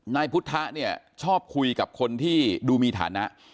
นายพุทธะเนี่ยชอบคุยกับคนที่ดูมีฐานะ